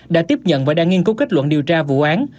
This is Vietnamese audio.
đã tiếp nhận và đang nghiên cứu kết luận điều tra vụ án